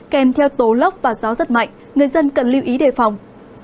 kèm theo tố lốc và gió rất mạnh người dân cần lưu ý đề phòng